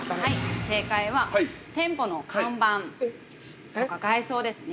◆正解は、店舗の看板とか外装ですね